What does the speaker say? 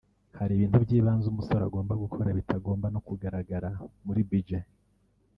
Hari ibintu by’ibanze umusore agomba gukora bitagomba no kugaragara muri budget